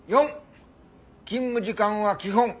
「４勤務時間は基本